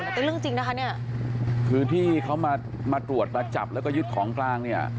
แต่เป็นเรื่องจริงนะคะเนี่ยคือที่เขามามาตรวจมาจับแล้วก็ยึดของกลางเนี่ย